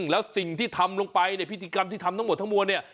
แล้วสิ่งที่ทำลงไปในพิธีกรรมที่ทำทั้งหมดทั้งมวลเนี่ย